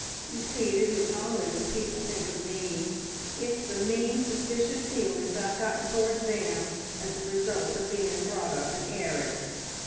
"You see, it isn't only what people think of me, it's the mean, suspicious feelings I've gotten towards them, as the result of being brought up an heiress.